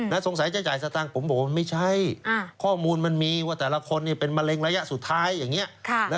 สงสัยจะจ่ายสตางค์ผมบอกว่ามันไม่ใช่ข้อมูลมันมีว่าแต่ละคนเป็นมะเร็งระยะสุดท้ายอย่างนี้